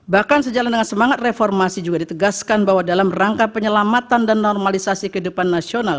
bahkan sejalan dengan semangat reformasi juga ditegaskan bahwa dalam rangka penyelamatan dan normalisasi kehidupan nasional